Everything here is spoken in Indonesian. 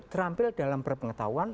terampil dalam berpengetahuan